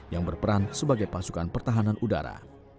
yang berperan sebagai pasukan pertahanan udara